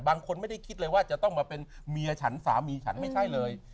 บางคนไม่ได้คิดเลยว่าจะต้องมาเป็นเมียฉันสามีฉันไม่ใช่เลย